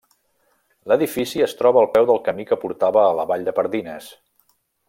L'edifici es troba al peu del camí que portava a la vall de Pardines.